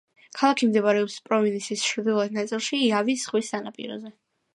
ქალაქი მდებარეობს პროვინციის ჩრდილოეთ ნაწილში, იავის ზღვის სანაპიროზე.